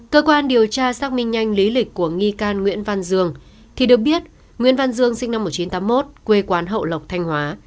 cơ quan điều tra xác minh nhanh lý lịch của nghi can nguyễn văn dương thì được biết nguyễn văn dương sinh năm một nghìn chín trăm tám mươi một quê quán hậu lộc thanh hóa